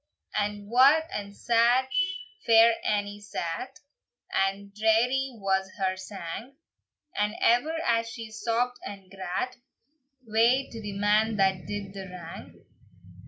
And wae and sad Fair Annie sat, And drearie was her sang, And ever, as she sobbd and grat, "Wae to the man that did the wrang!"